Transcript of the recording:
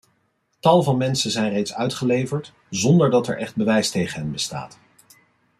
Tal van mensen zijn reeds uitgeleverd zonder dat er echt bewijs tegen hen bestaat.